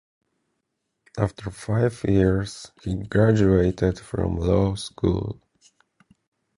After five years he graduated from law school.